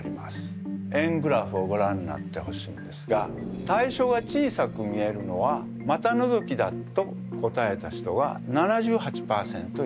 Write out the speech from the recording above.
円グラフをごらんになってほしいんですが対象が小さく見えるのは股のぞきだと答えた人は７８％いました。